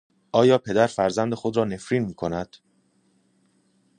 آیا پدر فرزند خودرا نفرین میکند